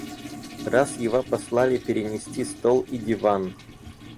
Раз его послали перенести стол и диван.